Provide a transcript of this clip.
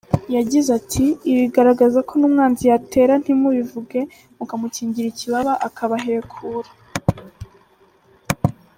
Yagize ati “Ibi biragaragaza ko n’umwanzi yatera ntimubivuge, mukamukingira ikibaba akabahekura.